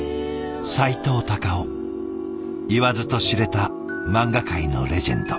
言わずと知れた漫画界のレジェンド。